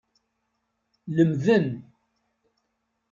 Lemden.